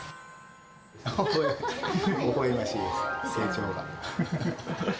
ほほえましいです、成長が。